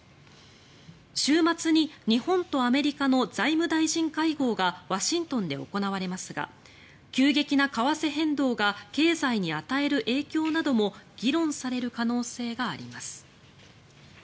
週末に日本とアメリカの財務大臣会合がワシントンで行われますが急激な為替変動が経済に与える影響なども議論される可能性があります。